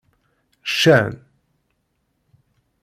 Ccan.